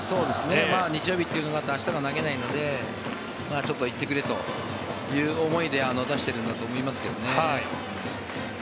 日曜日ということもあって明日は投げないのでちょっと行ってくれという思いで出してるんだと思いますけどね。